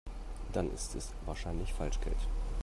Dann ist es wahrscheinlich Falschgeld.